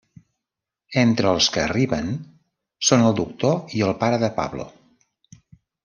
Entre els que arriben són el doctor i el pare de Pablo.